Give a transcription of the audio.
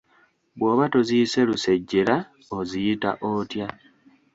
Bw'oba toziyize lusejjera oziyita otya?